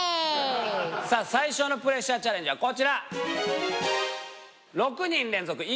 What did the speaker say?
さぁ最初のプレッシャーチャレンジはこちら。